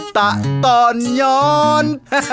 ตะตอนย้อน